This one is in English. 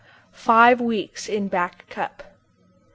FIVE WEEKS IN BACK CUP.